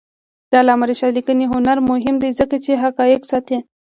د علامه رشاد لیکنی هنر مهم دی ځکه چې حقایق ساتي.